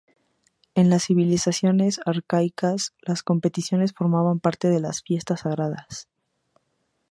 En las civilizaciones arcaicas, las competiciones formaban parte de las fiestas sagradas.